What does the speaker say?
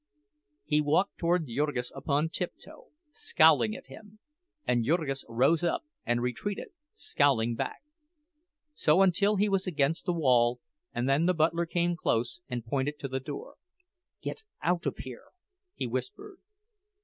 He walked toward Jurgis upon tiptoe, scowling at him; and Jurgis rose up, and retreated, scowling back. So until he was against the wall, and then the butler came close, and pointed toward the door. "Get out of here!" he whispered.